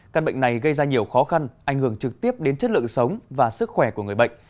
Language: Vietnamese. căn bệnh này gây ra nhiều khó khăn ảnh hưởng trực tiếp đến chất lượng sống và sức khỏe của người bệnh